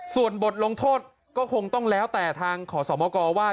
ส่วนบทลงโทษก็คงต้องแล้วแต่ทางขอสมกรว่า